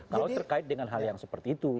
kalau terkait dengan hal yang seperti itu